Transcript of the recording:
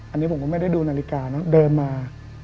อันนี้ผมก็ไม่ได้ดูนาฬิกานะเดินมา